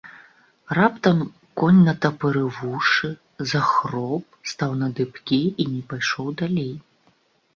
Раптам конь натапырыў вушы, захроп, стаў на дыбкі і не пайшоў далей.